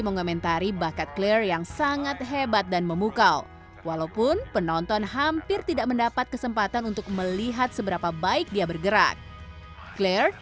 bermodal bakat dan paras yang cantik claire robbins mencoba mengejar cita citanya menjadi seorang penari balet